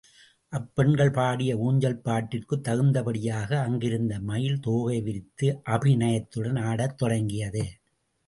அப்பெண்கள் பாடிய ஊஞ்சல் பாட்டிற்குத் தகுந்தபடியாக அங்கிருந்த மயில் தோகை விரித்து அபிநயத்துடன் ஆடத்தொடங்கியது.